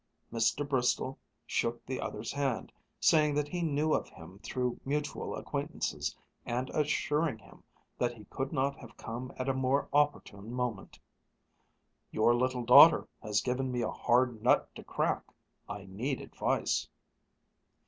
Mr. Bristol shook the other's hand, saying that he knew of him through mutual acquaintances and assuring him that he could not have come at a more opportune moment. "Your little daughter has given me a hard nut to crack. I need advice."